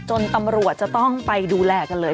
ตำรวจจะต้องไปดูแลกันเลย